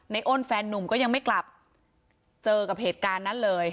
อ้นแฟนนุ่มก็ยังไม่กลับเจอกับเหตุการณ์นั้นเลย